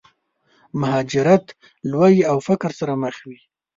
مهاجرت، لوږې او فقر سره مخ وي.